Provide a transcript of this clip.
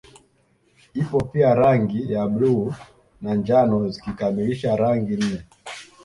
Ipo pia rangi ya bluu na njano zikikamilisha rangi nne